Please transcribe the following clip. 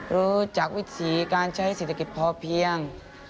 รู้จักวิถีการใช้เศรษฐกิจพอเพียง